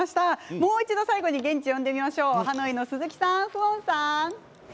もう一度、最後に現地を呼んでみましょう。